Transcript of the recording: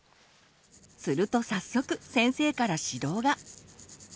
すると早速先生から指導が。